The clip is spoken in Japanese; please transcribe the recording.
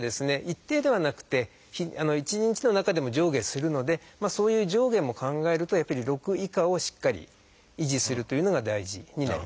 一定ではなくて１日の中でも上下するのでそういう上下も考えるとやっぱり６以下をしっかり維持するというのが大事になります。